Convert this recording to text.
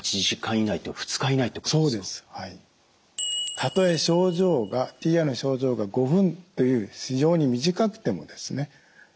たとえＴＩＡの症状が５分という非常に短くてもですね